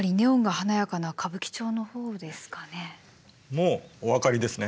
もうお分かりですね。